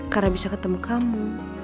karena bisa ketemu kamu